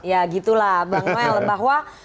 ya gitulah bang noel bahwa